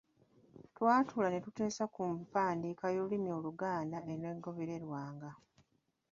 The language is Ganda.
Twatuula ne tuteesa ku mpandiika y'olulimi Oluganda eneegobererwanga.